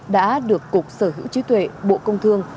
đã được cục sở hữu trí tuệ bộ công thương